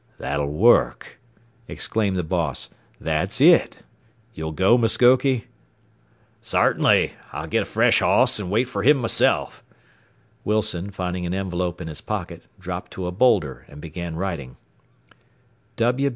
"That'll work!" exclaimed the boss. "That's it! You'll go, Muskoke?" "Sartenly. I'll get a fresh hoss, and wait fer him myself." Wilson, finding an envelope in his pocket, dropped to a boulder and began writing.